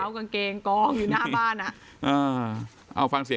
เราเข้าบ้านผิดหรือว่าไง